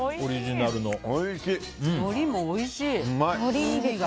のりもおいしい！